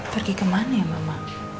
pergi kemana ya mama